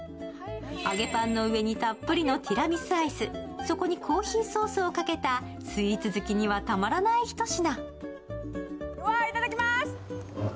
揚げパンの上にたっぷりのティラミスアイス、そこにコーヒーソースをかけたスイーツ好きにはたまらないひと品。